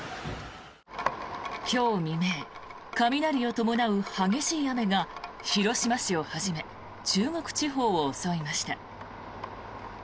今日未明、雷を伴う激しい雨が広島市をはじめ中国地方を襲いました。